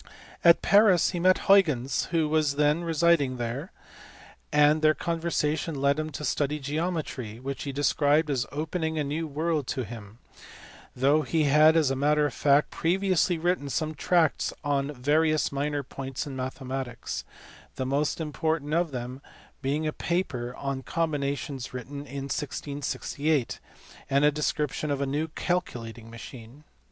At Paris he met Huygens who was then residing there, and their conversation led him to study geometry, which he described as opening a new world to him, though he had as a matter of fact previously written some tracts on various minor points in mathematics ; the most important of them being a paper on combinations written in 1668, and a description of a new calculating machine.